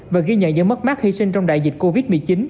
và ghi nhận những mất mát hy sinh trong đại dịch covid một mươi chín